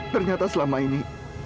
ternyata selama ini